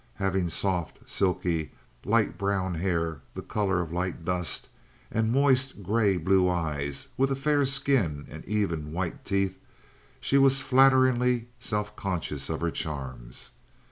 Having soft, silky, light brown hair, the color of light dust, and moist gray blue eyes, with a fair skin and even, white teeth, she was flatteringly self conscious of her charms.